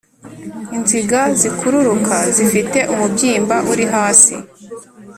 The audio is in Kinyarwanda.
inziga zikururuka zifite umubyimba uri hasi